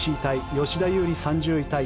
吉田優利、３０位タイ。